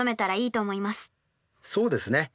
そうですね。